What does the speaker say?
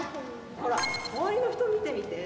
ほら周りの人見てみて。